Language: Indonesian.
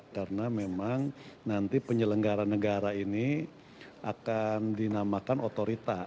karena memang nanti penyelenggaran negara ini akan dinamakan otorita